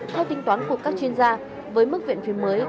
theo tính toán của các chuyên gia với mức viện phí mới